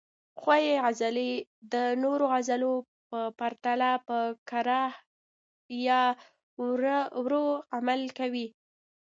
ښویې عضلې د نورو عضلو په پرتله په کراه یا ورو عمل کوي.